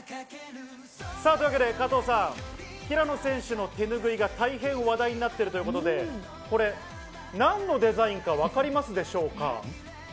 加藤さん、平野選手の手ぬぐいが大変話題になっているということで、これ何のデザインか分かりますでしょうか？